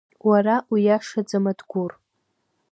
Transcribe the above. Уара уиашаӡам, Адгәыр.